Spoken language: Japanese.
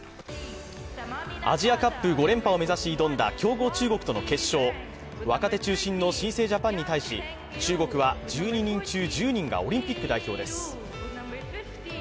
アジアカップ５連覇を目指し挑んだ強豪・中国との決勝若手中心の新生ジャパンに対し、中国は１２人中１０人がオリンピック代表です。